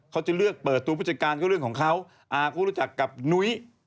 เขาจะเลือกเปิดตัวผู้จัดการก็เรื่องของเขาอาก็รู้จักกับนุ้ย